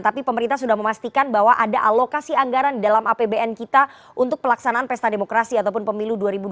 tapi pemerintah sudah memastikan bahwa ada alokasi anggaran di dalam apbn kita untuk pelaksanaan pesta demokrasi ataupun pemilu dua ribu dua puluh